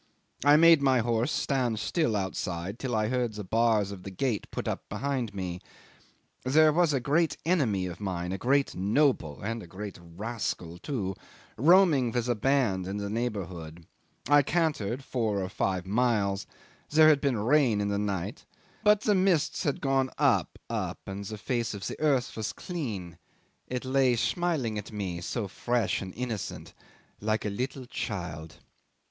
I made my horse stand still outside till I heard the bars of the gate put up behind me. There was a great enemy of mine, a great noble and a great rascal too roaming with a band in the neighbourhood. I cantered for four or five miles; there had been rain in the night, but the musts had gone up, up and the face of the earth was clean; it lay smiling to me, so fresh and innocent like a little child.